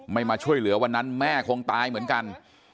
มาช่วยเหลือวันนั้นแม่คงตายเหมือนกัน